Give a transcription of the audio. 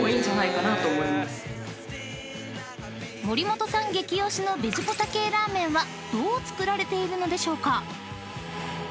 ［森本さん激推しのベジポタ系ラーメンはどう作られているのでしょうか？］